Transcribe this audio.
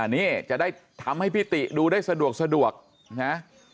นี่จะได้ทำให้พี่ติดูได้สะดวกนะ